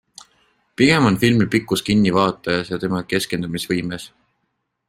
Pigem on filmi pikkus kinni vaatajas ja tema keskendumisvõimes.